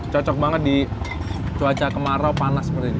cocok banget di cuaca kemarau panas seperti ini